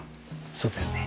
そうですね。